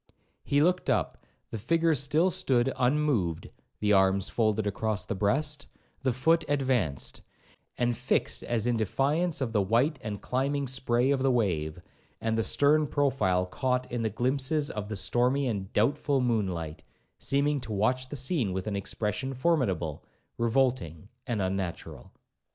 He looked up, the figure still stood unmoved, the arms folded across the breast, the foot advanced, and fixed as in defiance of the white and climbing spray of the wave, and the stern profile caught in the glimpses of the stormy and doubtful moon light, seeming to watch the scene with an expression formidable, revolting, and unnatural.